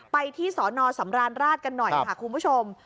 ไปที่สอนอสำราญราชกันหน่อยค่ะคุณผู้ชม